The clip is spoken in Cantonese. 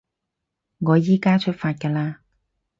我依加出發㗎喇